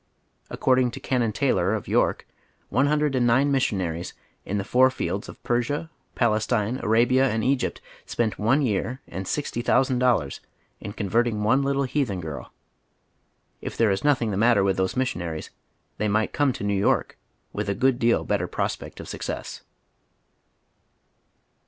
According to Canon Taylor, of York, one hun dred and nine missionaries in the four fields of Persia, Palestine, Arabia, and Egypt spent one year and sixty thousand dollars in converting one little heathen girl. If oy Google THE PROBLEM OF THE CHILDREN. 185 thei'e is nothing the mattet' witli those misBionaries, tliey might come to New York with a good deal better pros pect of success.